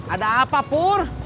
ada apa pur